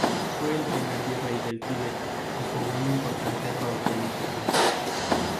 Fue el primer virrey del Tíbet y jugó un importante rol político.